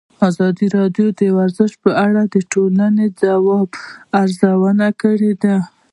ازادي راډیو د ورزش په اړه د ټولنې د ځواب ارزونه کړې.